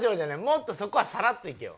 もっとそこはサラッといけよ。